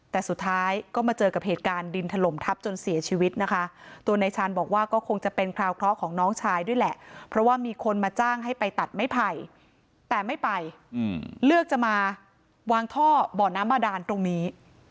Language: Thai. แต่สุดท้ายก็มาเจอกับเหตุการณ์ดินถล่มทับจนเสียชีวิตนะคะตัวนายชาญบอกว่าก็คงจะเป็นคราวเคราะห์ของน้องชายด้วยแหละเพราะว่ามีคนมาจ้างให้ไปตัดไม้ไผ่แต่ไม่ไปเลือกจะมาวางท่อบ่อน้ำบาดานตรงนี้